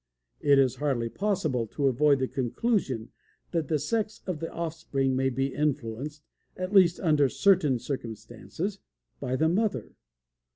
It is hardly possible to avoid the conclusion that the sex of the offspring may be influenced, at least under certain circumstances, by the mother.